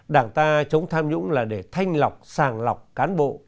đảng ta chống tham nhũng là để thanh lọc sàng lọc cán bộ